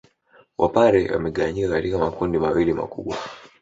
Wapare wamegawanyika katika makundi mawili makubwa